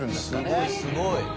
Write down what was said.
すごいすごい。